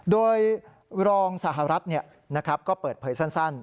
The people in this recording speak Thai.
โดยรองสหรัฐก็เปิดเผยสั้น